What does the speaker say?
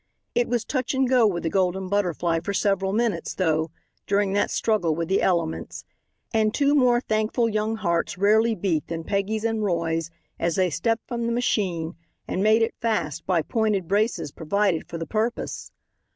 It was touch and go with the Golden Butterfly for several minutes, though, during that struggle with the elements, and two more thankful young hearts rarely beat than Peggy's and Roy's as they stepped from the machine and made it fast by pointed braces provided for the purpose.